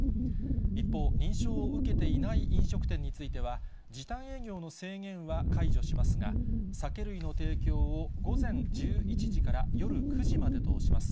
一方、認証を受けていない飲食店については、時短営業の制限は解除しますが、酒類の提供を午前１１時から夜９時までとします。